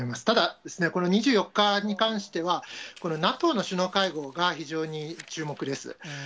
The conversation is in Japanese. ただですね、この２４日に関しては、ＮＡＴＯの首脳会合が非常に注目です。